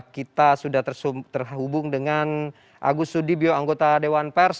kita sudah terhubung dengan agus sudibyo anggota dewan pers